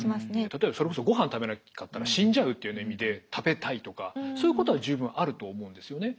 例えばそれこそごはん食べなかったら死んじゃうっていうような意味で食べたいとかそういうことは十分あると思うんですよね。